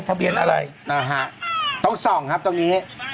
ทะเบียนอะไร